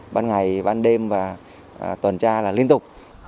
ban ngày ban đêm và tuần tra là liên tục